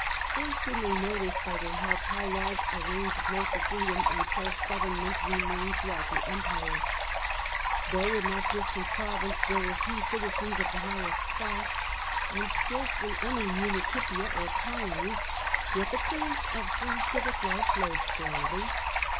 First we may notice by their help how large a range of local freedom and self government remained throughout the Roman empire. Though in that distant province there were few citizens of the highest class, and scarcely any municipia or colonies, yet the currents of free civic life flowed strongly.